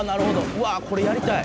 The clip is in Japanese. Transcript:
うわあこれやりたい。